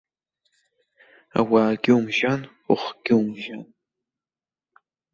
Ауаагьы умжьан, ухгьы умжьан.